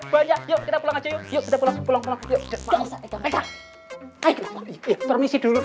banyak yuk kita pulang aja yuk yuk kita pulang pulang pulang yuk permisi dulu